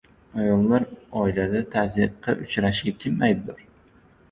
Ayollar oilada tazyiqqa uchrashiga kim aybdor?